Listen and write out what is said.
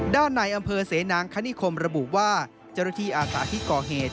ด้านในอำเภอเสนางคณิคมระบุว่าเจ้าหน้าที่อาสาที่ก่อเหตุ